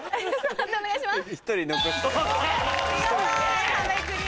判定お願いします。